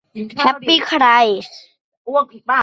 แฮปปี้ใคร